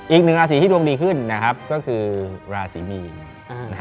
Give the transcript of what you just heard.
อีกหนึ่งราศีที่ดวงดีขึ้นนะครับก็คือราศีมีน